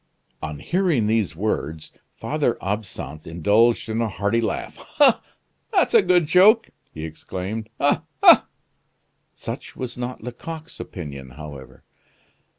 On hearing these words, Father Absinthe indulged in a hearty laugh: "Ah! that's a good joke!" he exclaimed. "Ah, ha!" Such was not Lecoq's opinion, however.